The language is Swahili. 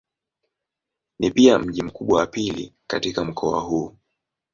Ni pia mji mkubwa wa pili katika mkoa huu.